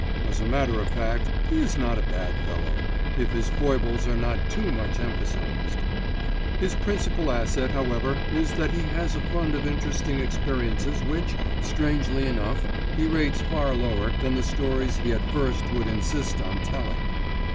As a matter of fact he is not a bad fellow, if his foibles are not too much emphasized. His principal asset, however, is that he has a fund of interesting experiences which, strangely enough, he rates far lower than the stories he at first would insist on telling.